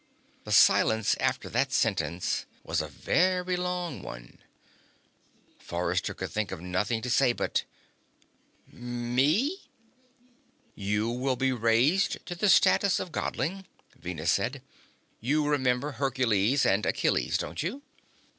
The silence after that sentence was a very long one. Forrester could think of nothing to say but: "Me?" "You will be raised to the status of Godling," Venus said. "You remember Hercules and Achilles, don't you?"